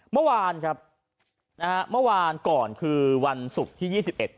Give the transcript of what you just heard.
เมื่อวานก่อนคือวันศุกร์ที่๒๑